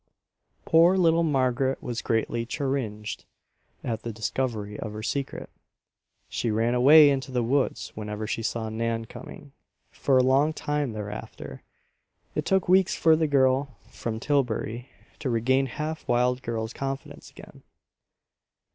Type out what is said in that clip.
Poor little Margaret was greatly chagrined at the discovery of her secret. She ran away into the woods whenever she saw Nan coming, for a long time thereafter. It took weeks for the girl from Tillbury to regain the half wild girl's confidence again.